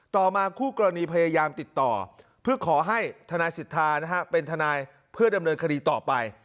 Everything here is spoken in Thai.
ต่อมาคู่กรณีพยายามติดต่อเพื่อขอให้ทนายสิทธานะฮะเป็นทนายเพื่อดำเนินคดีต่อไป